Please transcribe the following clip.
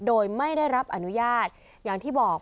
โดยไม่ได้รับอนุญาตอย่างที่บอก